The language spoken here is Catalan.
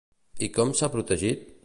I com s'ha protegit?